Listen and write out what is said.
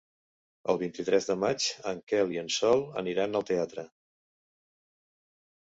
El vint-i-tres de maig en Quel i en Sol aniran al teatre.